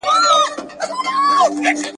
سپین سرې وویل چې خبره خلاصه شوې ده.